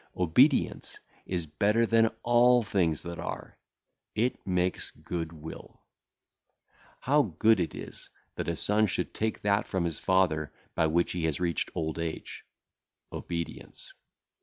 Obedience is better than all things that are; it maketh good will. How good it is that a son should take that from his father by which he hath reached old age (Obedience).